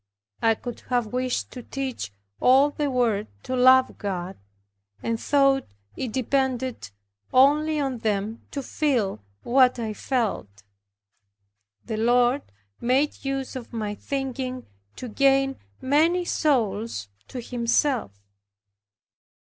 I could have wished to teach all the world to love God; and thought it depended only on them to feel what I felt. The Lord made use of my thinking to gain many souls to Himself.